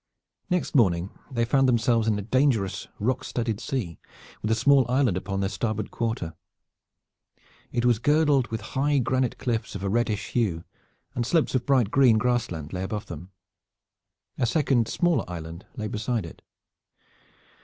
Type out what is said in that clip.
Next morning they found themselves in a dangerous rock studded sea with a small island upon their starboard quarter. It was girdled with high granite cliffs of a reddish hue, and slopes of bright green grassland lay above them. A second smaller island lay beside it.